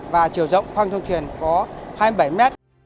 và chiều rộng khoang thông thuyền có hai mươi bảy mét